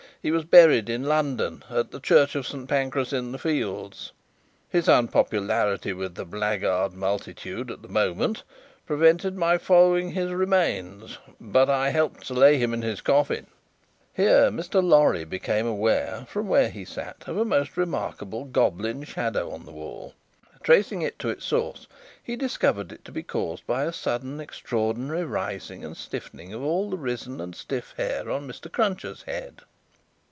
He was buried in London, at the church of Saint Pancras in the Fields. His unpopularity with the blackguard multitude at the moment prevented my following his remains, but I helped to lay him in his coffin." Here, Mr. Lorry became aware, from where he sat, of a most remarkable goblin shadow on the wall. Tracing it to its source, he discovered it to be caused by a sudden extraordinary rising and stiffening of all the risen and stiff hair on Mr. Cruncher's head.